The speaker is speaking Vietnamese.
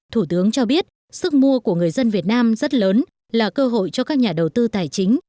thủ tướng cho biết sức mua của người dân việt nam rất lớn là cơ hội cho các nhà đầu tư tài chính